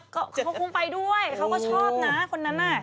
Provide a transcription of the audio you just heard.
เขาก็คงไปด้วยเขาก็ชอบนะคนนั้น